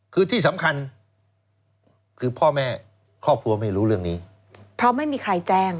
คือที่สำคัญคือพ่อแม่ครอบครัวไม่รู้เรื่องนี้เพราะไม่มีใครแจ้ง